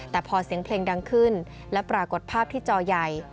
แต่พอเสียงเพลงดังขึ้นและปรากฏภาพที่จอใหญ่